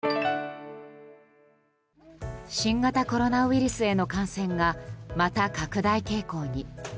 新型コロナウイルスへの感染がまた拡大傾向に。